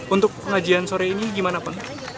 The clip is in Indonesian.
untuk pengajian sore ini gimana pak